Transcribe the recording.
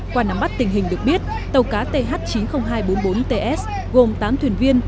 qua nắm bắt tình hình được biết tàu cá th chín mươi nghìn hai trăm bốn mươi bốn ts gồm tám thuyền viên